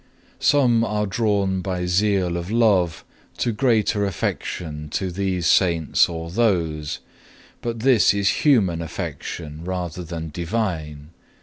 3. "Some are drawn by zeal of love to greater affection to these Saints or those; but this is human affection rather than divine.